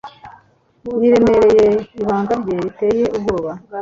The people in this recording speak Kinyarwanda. Yiremereye ibanga rye riteye ubwoba.